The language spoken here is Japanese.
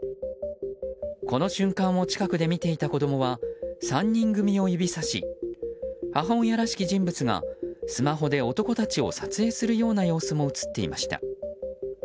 この瞬間を近くで見ていた子供は３人組を指さし母親らしき人物がスマホで男たちを撮影する様子も映っていました。